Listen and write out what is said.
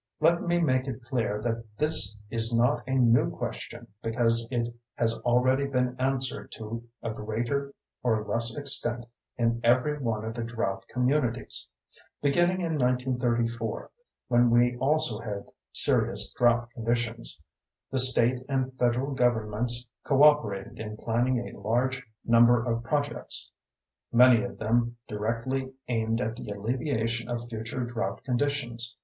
Let me make it clear that this is not a new question because it has already been answered to a greater or less extent in every one of the drought communities. Beginning in 1934, when we also had serious drought conditions, the state and federal governments cooperated in planning a large number of projects many of them directly aimed at the alleviation of future drought conditions.